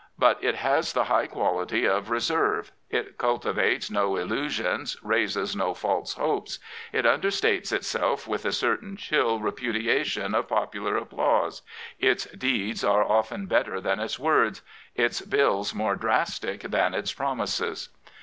But it has the high quality of reserve. It cultivates no illusions, raises no false hopes. It under states itself with a certain chill repudiation of popular applause. Its deeds arfe often better than its words ; its Bills more drastic than its promises.